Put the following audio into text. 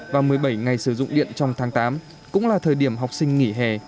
và một mươi bảy ngày sử dụng điện trong tháng tám cũng là thời điểm học sinh nghỉ hè